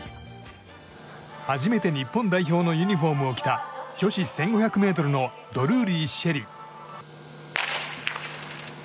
初めて日本代表のユニホームを着た女子１５００ｍのドルーリー朱瑛里。